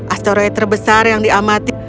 asteroid terbesar yang diamati